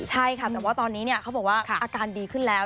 ใช่ค่ะแต่ว่าตอนนี้เขาบอกว่าอาการดีขึ้นแล้ว